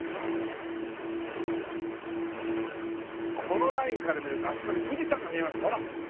このラインから見るとあそこに富士山が見えますほら。